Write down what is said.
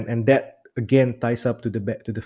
dan itu sekali lagi menggabungkan dengan